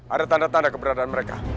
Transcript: ada tanda tanda keberadaan mereka